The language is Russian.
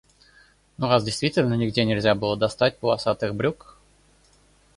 Но раз действительно нигде нельзя было достать полосатых брюк.